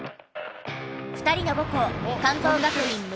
２人の母校関東学院六